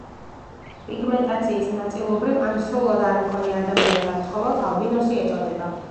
პიგმენტაციის ნაწილობრივ ან სრულად არმქონე ადამიანს ან ცხოველს ალბინოსი ეწოდება.